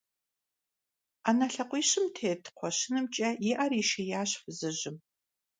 Ӏэнэ лъакъуищым тет кхъуэщынымкӀэ и Ӏэр ишиящ фызыжьым.